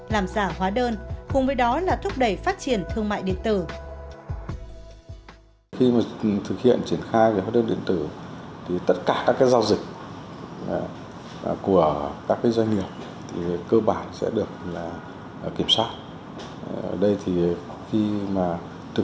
làm giả hóa đơn cùng với đó là thúc đẩy phát triển thương mại điện tử